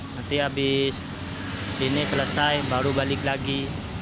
nanti habis ini selesai baru balik lagi